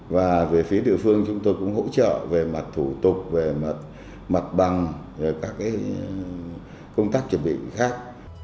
và về phía địa phương chúng tôi cũng hỗ trợ về mặt thủ tục về mặt bằng các công tác chuẩn bị khác